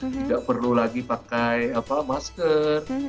tidak perlu lagi pakai masker